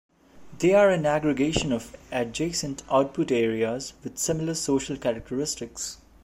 They are an aggregation of adjacent Output Areas with similar social characteristics.